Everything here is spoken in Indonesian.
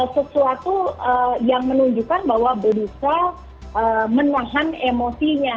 sesuatu yang menunjukkan bahwa berusaha menahan emosinya